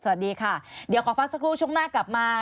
สวัสดีค่ะเดี๋ยวขอพักสักครู่ช่วงหน้ากลับมา